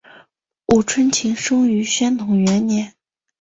吴春晴生于宣统元年。